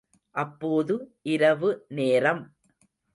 அப்போது இரவு நேரம்.